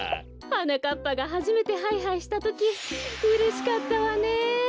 はなかっぱがはじめてハイハイしたときうれしかったわね！